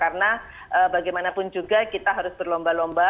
karena bagaimanapun juga kita harus berlomba lomba